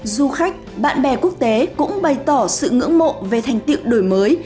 du khách bạn bè quốc tế cũng bày tỏ sự ngưỡng mộ về thành tiệu đổi mới